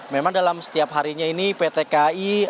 memang dalam setiap harinya ini pt kai